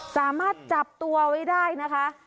สามารถจับตัวไว้ได้นะคะ